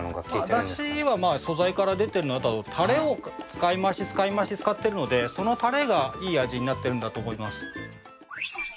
まぁだしは素材から出てるのとあとはタレを使いまわし使いまわし使ってるのでそのタレがいい味になってるんだと思います。